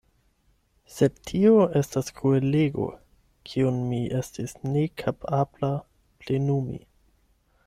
Sed tio estas kruelego, kiun mi estis nekapabla plenumi.